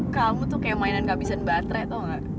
kamu tuh kayak mainan gak bisa ngebatre tau gak